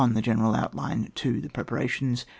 The general outline. 2. The preparations.